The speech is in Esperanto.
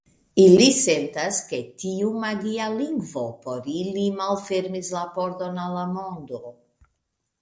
Ili sentas, ke tiu magia lingvo por ili malfermis la pordon al la mondo.